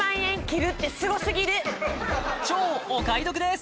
超お買い得です